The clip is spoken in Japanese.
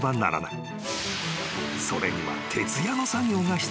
［それには］